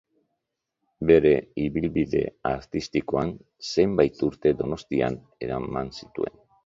Bere ibilbide artistikoaren zenbait urte Donostian eman zituen.